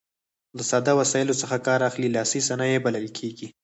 له ساده وسایلو څخه کار اخلي لاسي صنایع بلل کیږي.